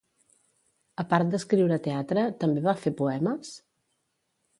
A part d'escriure teatre, també va fer poemes?